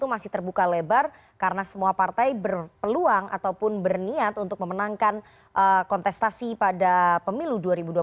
untuk kita yang telah menangkan kontestasi pada pemilu dua ribu dua puluh empat